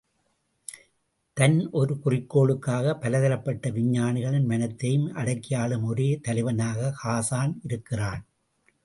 தன் ஒரு குறிக்கோளுக்காகப் பலதரப்பட்ட விஞ்ஞானிகளின் மனத்தையும் அடக்கியாளும் ஒரே தலைவனாக ஹாஸான் இருக்கிறான்.